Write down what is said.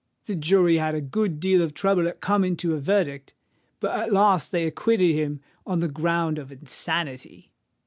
The jury had a good deal of trouble at coming to a verdict; but at last they acquitted him on the ground of insanity."